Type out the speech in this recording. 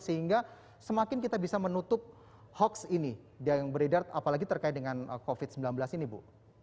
sehingga semakin kita bisa menutup hoax ini yang beredar apalagi terkait dengan covid sembilan belas ini bu